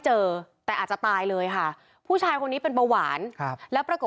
เจอแต่อาจจะตายเลยค่ะผู้ชายคนนี้เป็นเบาหวานครับแล้วปรากฏ